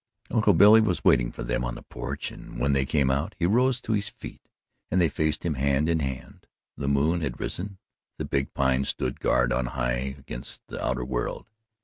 Uncle Billy was waiting for them on the porch and when they came out, he rose to his feet and they faced him, hand in hand. The moon had risen. The big Pine stood guard on high against the outer world.